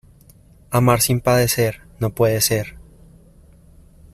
Amar sin padecer, no puede ser.